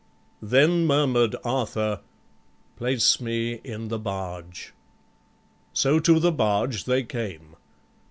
Then murmur'd Arthur, "Place me in the barge." So to the barge they came.